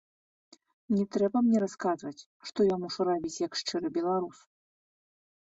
Не трэба мне расказваць, што я мушу рабіць як шчыры беларус.